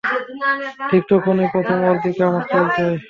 ঠিক তখনই প্রথম ওর দিকে আমার চোখ যায়।